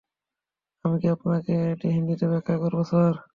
আমি কি আপনাকে এটি হিন্দিতে ব্যাখ্যা করবো, স্যার?